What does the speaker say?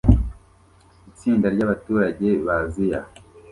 Itsinda ryabaturage ba Aziya